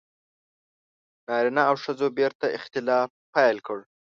• نارینه او ښځو بېرته اختلاط پیل کړ.